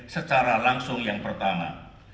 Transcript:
secara langsung yang pertama